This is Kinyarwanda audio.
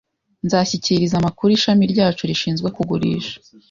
Nzashyikiriza amakuru ishami ryacu rishinzwe kugurisha